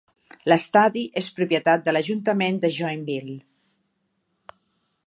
L'estadi és propietat de l'ajuntament de Joinville.